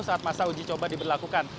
saat masa uji coba diberlakukan